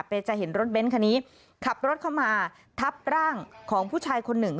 จะเห็นรถเบ้นคันนี้ขับรถเข้ามาทับร่างของผู้ชายคนหนึ่ง